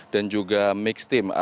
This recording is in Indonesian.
dan juga mixed team